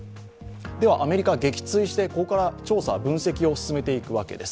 アメリカ撃墜してここから調査・分析を進めていくわけです。